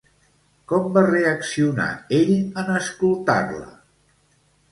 Com va reaccionar ell en escoltar-la?